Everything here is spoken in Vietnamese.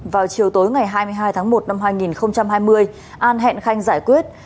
vào chiều tối ngày hai mươi hai tháng một năm hai nghìn hai mươi an hẹn khanh giải quyết